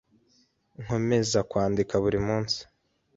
Nkomeza kwandika buri munsi.